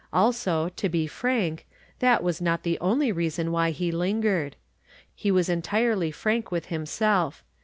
Also, to be frank, that was not the only reason why he lingered. He was entirely frank with himself.